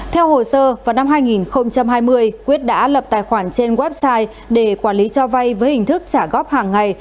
theo hồ sơ vào năm hai nghìn hai mươi quyết đã lập tài khoản trên website để quản lý cho vay với hình thức trả góp hàng ngày